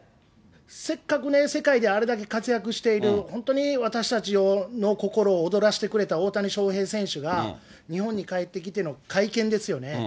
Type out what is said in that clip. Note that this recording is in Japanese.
せっかくね、世界であれだけ活躍している、本当に私たちの心を躍らしてくれた大谷翔平選手が日本に帰ってきての会見ですよね。